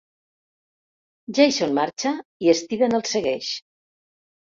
Jason marxa i Steven el segueix.